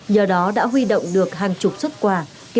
nhờ đó đã huy động được hàng chục xuất quà